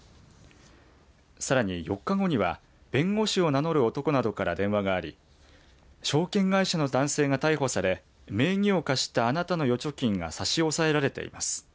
さらに４日後には弁護士を名乗る男などから電話があり証券会社の男性が逮捕され名義を貸したあなたの預貯金が差し押さえられています。